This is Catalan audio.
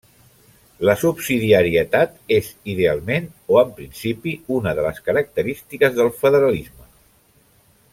La subsidiarietat és, idealment o en principi, una de les característiques del federalisme.